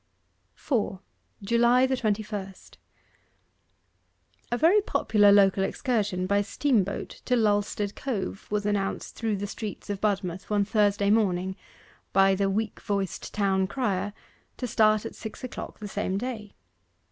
4. JULY THE TWENTY FIRST A very popular local excursion by steamboat to Lulstead Cove was announced through the streets of Budmouth one Thursday morning by the weak voiced town crier, to start at six o'clock the same day.